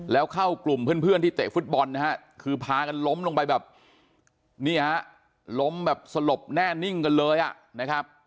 แล้วเข้ากลุ่มเพื่อนที่เตะฟุตบอลนะฮะคือพากันล้มลงไปแบบนี่ฮะล้มแบบสลบแน่นิ่งกันเลยอ่ะนะครับ